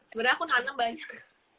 sebenernya aku nanem banyak